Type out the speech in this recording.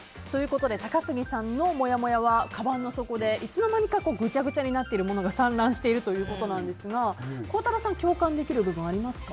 高杉さんのもやもやはかばんの底でいつの間にかぐちゃぐちゃになっているものが散乱しているということですが孝太郎さん共感できる部分ありますか？